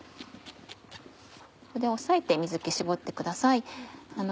ここで押さえて水気絞ってください。